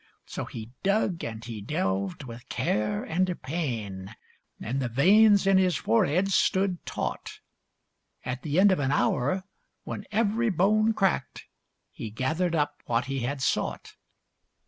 So he dug, and he delved, with care and pain, And the veins in his forehead stood taut. At the end of an hour, when every bone cracked, He gathered up what he had sought.